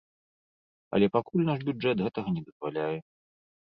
Але пакуль наш бюджэт гэтага не дазваляе.